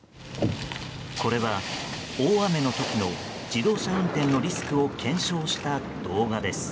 これは大雨の時の自動車運転のリスクを検証した動画です。